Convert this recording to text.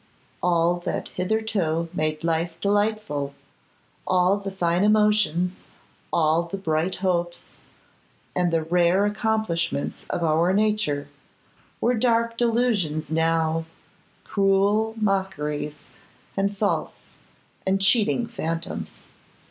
All that hitherto made life delightful, all the fine emotions, all the bright hopes, and the rare accomplishments of our nature, were dark delusions now, cruel mockeries, and false and cheating phantoms!